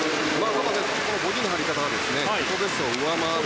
この５０の入り方は自己ベストを上回る。